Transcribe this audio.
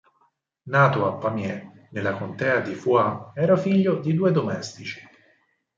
Nato a Pamiers nella contea di Foix, era figlio di due domestici.